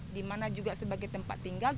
dimana juga sebagai tempat tinggal